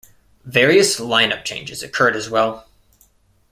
Various line-up changes occurred as well.